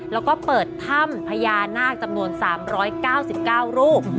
แล้วก็เปิดถ้ำพญานาคจำนวน๓๙๙รูป